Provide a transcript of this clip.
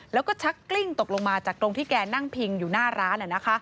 แล้วก็ชักกลิ้งตกลงมาจากตรงที่แกนั่งพิงอยู่หน้าร้าน